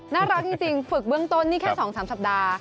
น่ารักจริงฝึกเบื้องต้นนี่แค่๒๓สัปดาห์